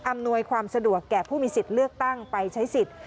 อำนวยความสะดวกแก่ผู้มีสิทธิ์เลือกตั้งไปใช้สิทธิ์